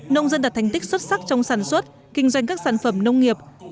nông dân đạt thành tích xuất sắc trong sản xuất kinh doanh các sản phẩm nông nghiệp